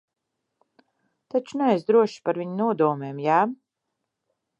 Taču neesi drošs par viņu nodomiem, jā?